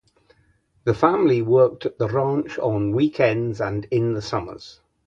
The family worked at the ranch on the weekends and in the summers.